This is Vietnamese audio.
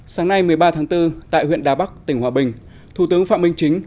sáng nay một mươi ba tháng bốn tại huyện đà bắc tỉnh hòa bình thủ tướng phạm minh chính